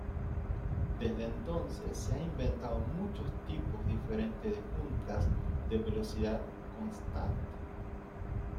Desde entonces se han inventado muchos tipos diferentes de juntas de velocidad constante.